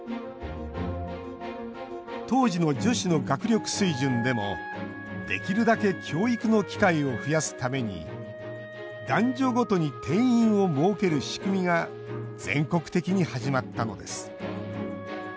当時の女子の学力水準でもできるだけ教育の機会を増やすために男女ごとに定員を設ける仕組みが全国的に始まったのです。